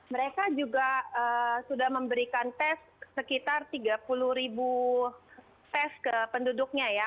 mereka juga sudah memberikan tes sekitar tiga puluh ribu tes ke penduduknya ya